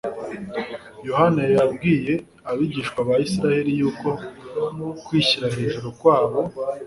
Yohana yabwiye abigisha ba Isiraheli yuko kwishyira hejuru kwabo,